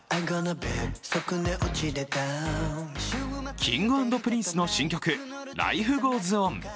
Ｋｉｎｇ＆Ｐｒｉｎｃｅの新曲「Ｌｉｆｅｇｏｅｓｏｎ」。